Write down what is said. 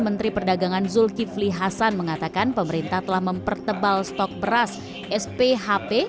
menteri perdagangan zulkifli hasan mengatakan pemerintah telah mempertebal stok beras sphp